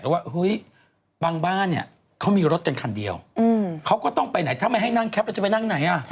หรือว่าบางบ้านเขามีรถกันคันเดียวเขาก็ต้องไปไหนถ้าไม่ให้นั่งแคปจะไปนั่งไหน